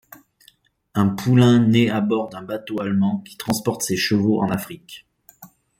Un poulain naît à bord d'un bateau allemand qui transporte ces chevaux en Afrique.